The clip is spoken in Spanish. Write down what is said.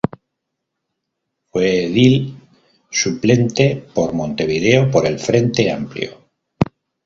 Fue edil suplente por Montevideo por el Frente Amplio.